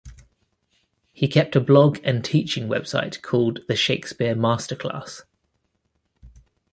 He kept a blog and teaching website called "The Shakespeare Masterclass".